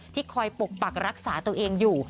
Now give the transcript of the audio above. คอยปกปักรักษาตัวเองอยู่